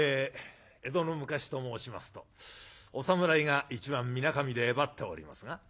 江戸の昔と申しますとお侍が一番みなかみでえばっておりますが。